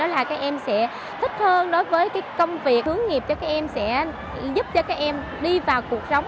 là các em sẽ thích hơn đối với công việc hướng nghiệp cho các em sẽ giúp cho các em đi vào cuộc sống